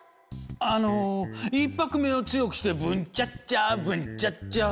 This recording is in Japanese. あの１拍目を強くしてブンチャッチャブンチャッチャ。